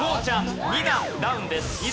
ちゃん２段ダウンです。